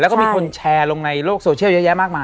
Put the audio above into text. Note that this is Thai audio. แล้วก็มีคนแชร์ลงในโลกโซเชียลเยอะแยะมากมาย